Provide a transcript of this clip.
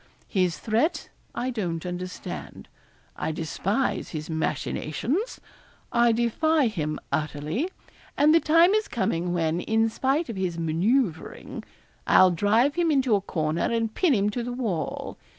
His threat I don't understand. I despise his machinations. I defy him utterly; and the time is coming when, in spite of his manoeuvring, I'll drive him into a corner and pin him to the wall.